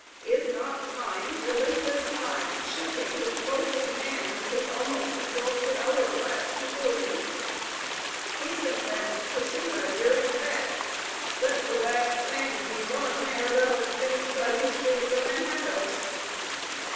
Is not Time, relentless Time! shaking, with palsied hand, his almost exhausted hour glass before thee? hasten then to pursue thy weary task, lest the last sands be run ere thou hast finished thy history of the Manhattoes.